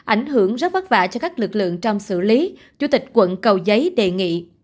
ảnh hưởng rất vất vả cho các lực lượng trong xử lý chủ tịch quận cầu giấy đề nghị